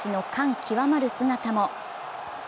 極まる姿も。